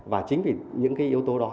và chính vì những cái yếu tố đó